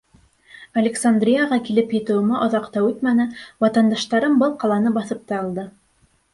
Александрияға килеп етеүемә оҙаҡ та үтмәне, ватандаштарым был ҡаланы баҫып та алды.